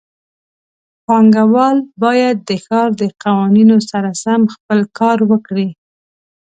پانګهوال باید د ښار د قوانینو سره سم خپل کار وکړي.